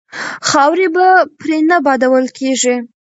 خاورې به پرې نه بادول کیږي.